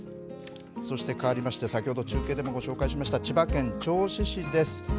そしてかわりまして、先ほど中継でもご紹介しました千葉県銚子市です。